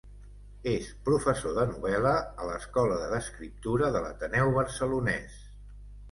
És professor de novel·la a l'Escola d'Escriptura de l'Ateneu Barcelonès.